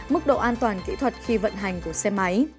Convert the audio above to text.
mức độ an toàn kỹ thuật khi vận hành của xe máy